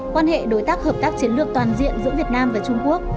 quan hệ đối tác hợp tác chiến lược toàn diện giữa việt nam và trung quốc